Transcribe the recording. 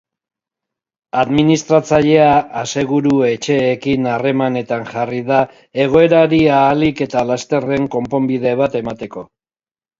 Administratzailea aseguru-etxeekin harremanetan jarri da egoerari ahalik eta lasterren konponbide bat emateko.